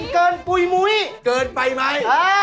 เก่งเกินปุ๋ยมุ้ย